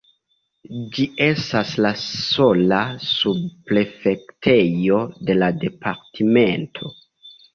Ĝi estas la sola subprefektejo de la departemento.